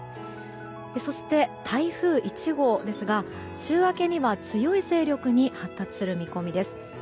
そして、台風１号ですが週明けには強い勢力に発達する見込みです。